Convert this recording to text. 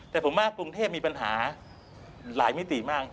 แต่ผมว่ากรุงเทพมีปัญหาหลายมิติมาก